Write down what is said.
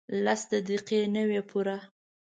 لس دقیقې نه وې پوره.